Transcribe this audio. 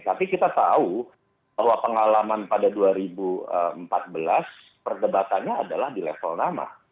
tapi kita tahu bahwa pengalaman pada dua ribu empat belas perdebatannya adalah di level nama